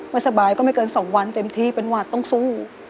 ไม่สบายก็ไม่เกิน๒วันเต็มที่เป็นหวัดต้องสู้